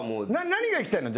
何が聴きたいの？